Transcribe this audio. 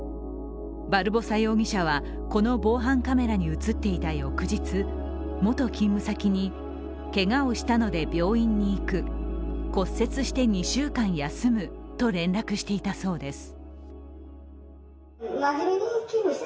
バルボサ容疑者はこの防犯カメラに映っていた翌日元勤務先に、けがをしたので病院に行く、骨折して２週間休むと連絡していたそうです。